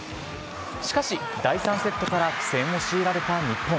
しかし、第３セットから苦戦を強いられた日本。